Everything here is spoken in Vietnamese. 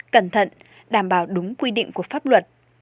cẩn thận đảm bảo đúng quy định của pháp luật